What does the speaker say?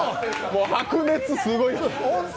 もう白熱、すごい。